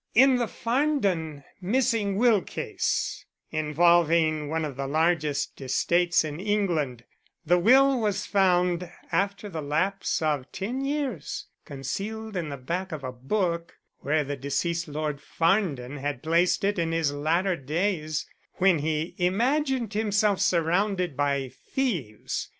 In the Farndon missing will case, involving one of the largest estates in England, the will was found after the lapse of ten years concealed in the back of a book, where the deceased Lord Farndon had placed it in his latter days, when he imagined himself surrounded by thieves.